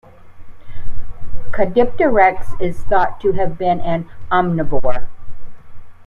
"Caudipteryx" is thought to have been an omnivore.